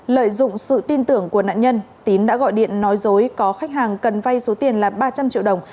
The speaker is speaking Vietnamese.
lợi dụng sự tin tưởng của nạn nhân tín đã gọi điện nói dối có khách hàng cần vay số tiền là ba trăm linh triệu đồng